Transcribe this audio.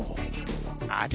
あれ？